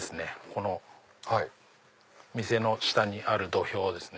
この店の下にある土俵ですね。